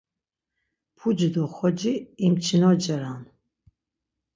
Puci do xoci imçinoceran.